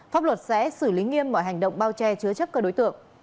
pháp luật sẽ xử lý nghiêm mọi hành động bao che chứa chấp các đối tượng